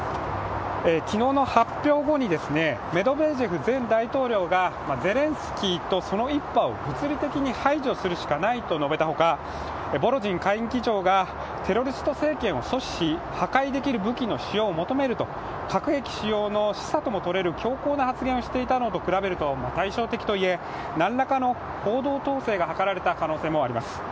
昨日の発表後にメドベージェフ前大統領がゼレンスキーとその一派を物理的に排除するしかないと述べたほかボロジン下院議長がテロリスト政権を阻止し破壊できる武器の使用を求めると核兵器使用の示唆ともとれる強硬な発言をしていたのとは対照的とはいえ何らかの報道統制が図られた可能性もあります。